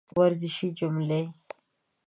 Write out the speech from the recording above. ورزشي جملې